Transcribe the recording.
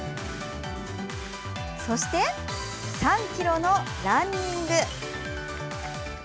そして、３ｋｍのランニング。